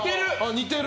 似てる。